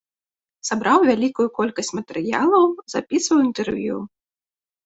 Сабраў вялікую колькасць матэрыялаў, запісваў інтэрв'ю.